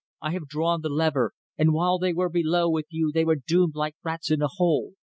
I have drawn the lever, and while they were below with you they were drowned like rats in a hole!"